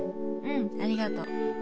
うんありがとう。